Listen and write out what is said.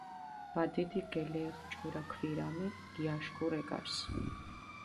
ბადიდიქ გელეღჷ ჭურა ქვირამი, გიაშქუ რეკას.